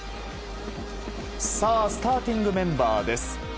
スターティングメンバーです。